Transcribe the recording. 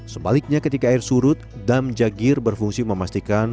sebaliknya ketika air surut dam jagir berfungsi memastikan